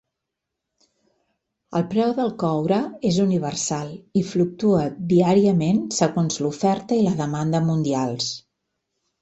El preu del coure és universal, i fluctua diàriament segons l'oferta i la demanda mundials.